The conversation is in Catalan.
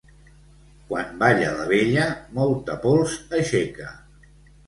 Quan balla la vella, molta pols aixeca.